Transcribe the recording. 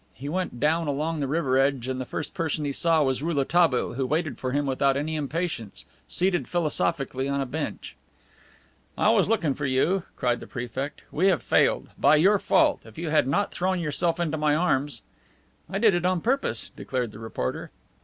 He went down along the river edge and the first person he saw was Rouletabille, who waited for him without any impatience, seated philosophically on a bench. "I was looking for you," cried the Prefect. "We have failed. By your fault! If you had not thrown yourself into my arms " "I did it on purpose," declared the reporter.